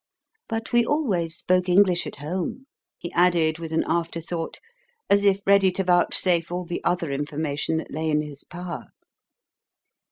But we always spoke English at home," he added with an afterthought, as if ready to vouchsafe all the other information that lay in his power.